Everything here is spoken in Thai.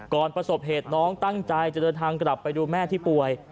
ประสบเหตุน้องตั้งใจจะเดินทางกลับไปดูแม่ที่ป่วย